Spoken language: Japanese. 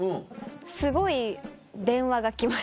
すごい電話が来ます。